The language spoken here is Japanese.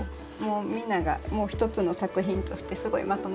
みんなが一つの作品としてすごいまとまってますね。